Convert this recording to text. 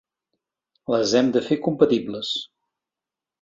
Les hem de fer compatibles.